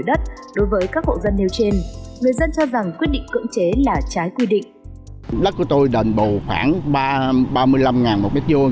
đất của tôi đền bù khoảng ba mươi năm một mét vô